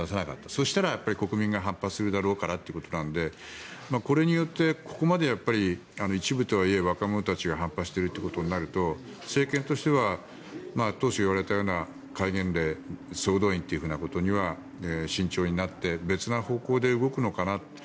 そしたら国民が反発するからということなのでここまで、一部とはいえ若者たちが反発しているとなると政権としては当初言われたような戒厳令総動員ということには慎重になって別の方向で動くのかなと。